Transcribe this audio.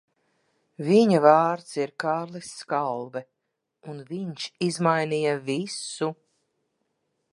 Viņa vārds ir Kārlis Skalbe, un viņš izmainīja visu.